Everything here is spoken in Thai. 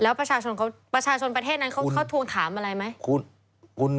แล้วประชาชนประเทศนั้นเขาถามอะไรไหม